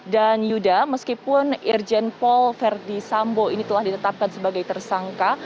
dan yuda meskipun irjen pol verdi sambo ini telah ditetapkan sebagai tersangka